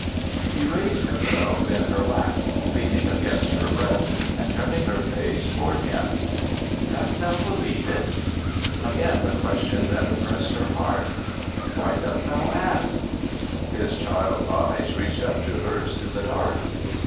*' He raised himself in her lap, lean 32 THE SEVENTH CHRISTMAS ing against her breast and turning her face toward him. " Dost thou believe it?'* Again the question that oppressed her heart! "Why dost thou ask?" His child's eyes reached up to hers through the dark.